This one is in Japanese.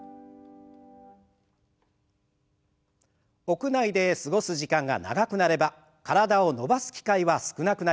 屋内で過ごす時間が長くなれば体を伸ばす機会は少なくなります。